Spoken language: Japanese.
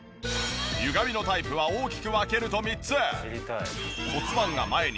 ゆがみのタイプは大きく分けると３つ。